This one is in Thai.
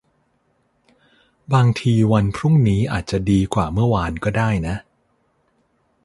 บางทีวันพรุ่งนี้อาจจะดีกว่าเมื่อวานก็ได้นะ